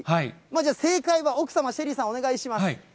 じゃあ正解は、奥様、しぇりさん、お願いします。